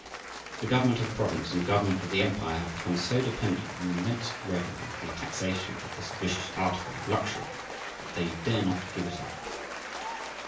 The government of the province and the government of the empire have become so dependent on the immense revenue from the taxation of this "vicious article of luxury" that they dare not give it up.